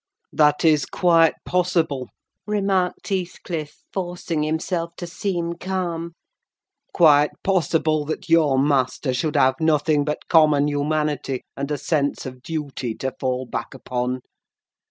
"That is quite possible," remarked Heathcliff, forcing himself to seem calm: "quite possible that your master should have nothing but common humanity and a sense of duty to fall back upon.